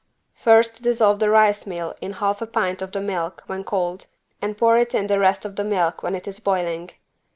First dissolve the rice meal in half a pint of the milk when cold, and pour it in the rest of the milk when it is boiling.